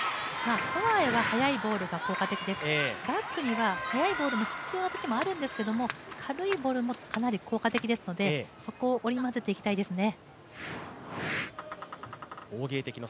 フォアへは速いボールが効果的です、バックには速いボールが必要なときもあるんですけど軽いボールもかなり効果的ですのでそこを織り交ぜていきたいですね。